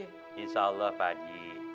insya allah pak aji